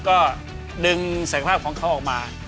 ก็ดึงศักยภาพของเขาออกมา